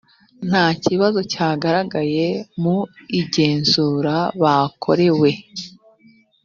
nta kibazo cyagaragaye mu igenzura bakorewe .